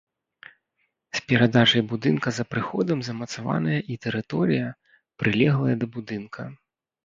З перадачай будынка за прыходам замацаваная і тэрыторыя, прылеглая да будынка.